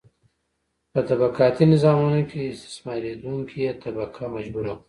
په طبقاتي نظامونو کې استثماریدونکې طبقه مجبوره وي.